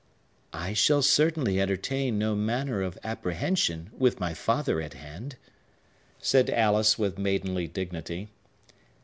"I certainly shall entertain no manner of apprehension, with my father at hand," said Alice with maidenly dignity.